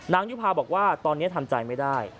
ยุภาบอกว่าตอนนี้ทำใจไม่ได้